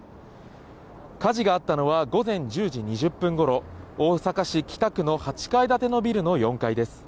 火事があったのは午前１０時２０分ごろ、大阪市北区の８階建てのビルの４階です。